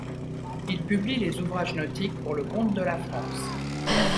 Il publie les ouvrages nautiques pour le compte de la France.